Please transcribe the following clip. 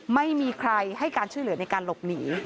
ไม่มีใครให้การช่วยเหลือในการหลบหนี